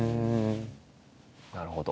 なるほど。